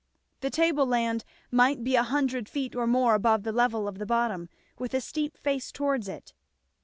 The table land might be a hundred feet or more above the level of the bottom, with a steep face towards it.